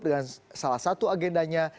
dengan salah satu agendanya